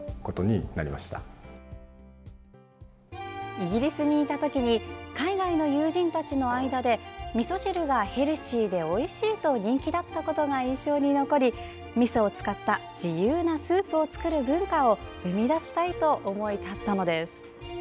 イギリスにいた時に海外の友人たちの間でみそ汁がヘルシーでおいしいと人気だったことが印象に残りみそを使った自由なスープを作る文化を生み出したいと思い立ったのです。